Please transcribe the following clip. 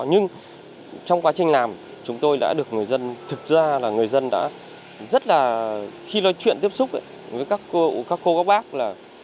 nhưng trong quá trình làm chúng tôi đã được người dân thực ra là người dân đã rất là khi nói chuyện tiếp xúc với các cô các bác là